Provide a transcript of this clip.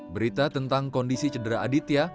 berita tentang kondisi cedera aditya